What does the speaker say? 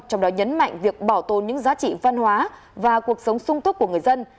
trong đó nhấn mạnh việc bảo tồn những giá trị văn hóa và cuộc sống sung túc của người dân